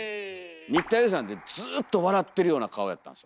新田恵利さんってずっと笑ってるような顔やったんですよ。